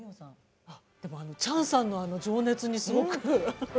チャンさんの情熱にすごく。